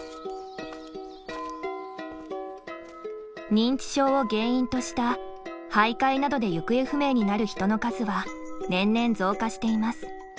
認知症を原因とした徘徊などで行方不明になる人の数は年々増加しています。